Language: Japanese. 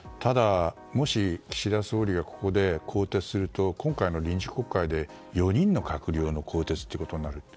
もし岸田総理がここで更迭をすると今回の臨時国会で４人の閣僚の更迭となると。